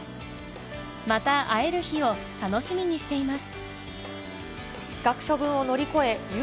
また会える日を楽しみにしています。